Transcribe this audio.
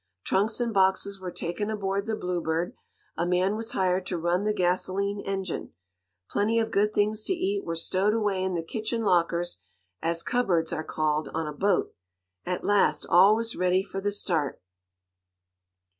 Trunks and boxes were taken aboard the Bluebird, a man was hired to run the gasoline engine. Plenty of good things to eat were stowed away in the kitchen lockers, as cupboards are called on a boat. At last all was ready for the start.